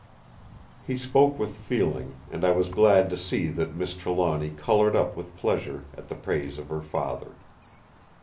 He spoke with feeling; and I was glad to see that Miss Trelawny coloured up with pleasure at the praise of her father.